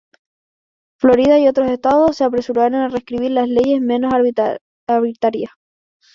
Florida y otros estados se apresuraron a reescribir leyes menos arbitrarias.